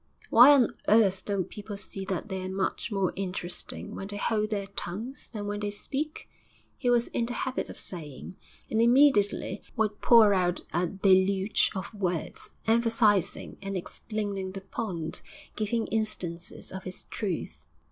'Why on earth don't people see that they're much more interesting when they hold their tongues than when they speak?' he was in the habit of saying, and immediately would pour out a deluge of words, emphasising and explaining the point, giving instances of its truth....